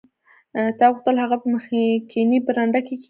تا غوښتل هغه په مخکینۍ برنډه کې کیږدې